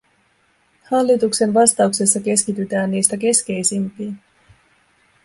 Hallituksen vastauksessa keskitytään niistä keskeisimpiin.